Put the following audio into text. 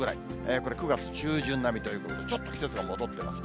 これ、９月中旬並みということで、ちょっと季節が戻ってます。